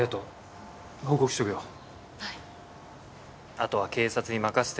あとは警察に任せて。